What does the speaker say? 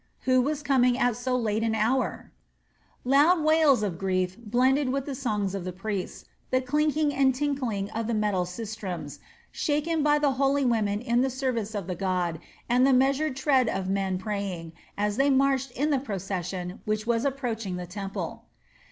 Who was coming at so late an hour? Loud wails of grief blended with the songs of the priests, the clinking and tinkling of the metal sistrums, shaken by the holy women in the service of the god, and the measured tread of men praying as they marched in the procession which was approaching the temple.